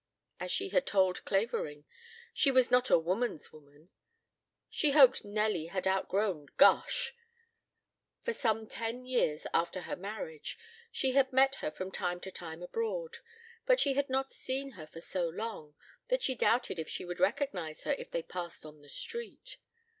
As she had told Clavering, she was not a woman's woman. She hoped Nelly had outgrown "gush." For some ten years after her marriage she had met her from time to time abroad, but she had not seen her for so long that she doubted if she would recognize her if they passed on the street.